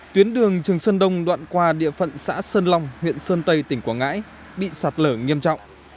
tuyến đường trường sơn đông đoạn qua địa phận xã sơn long huyện sơn tây tỉnh quảng ngãi bị sạt lở nghiêm trọng